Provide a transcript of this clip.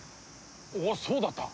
おおそうだった！